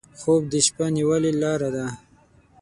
خوب د شپه نیولې لاره ده